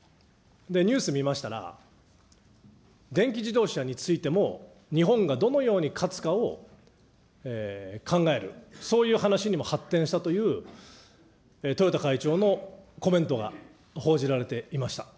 ニュース見ましたら、電気自動車についても日本がどのように勝つかを考える、そういう話にも発展したという豊田会長のコメントが報じられていました。